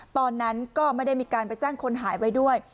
ตอนนั้นก็ไม่ได้มีการไปแจ้งคนหายไว้ด้วย